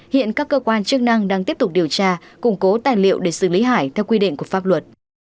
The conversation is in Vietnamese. hiện các cơ quan chức năng đang tiếp tục điều tra củng cố tài liệu để xử lý hải theo quy định của pháp luật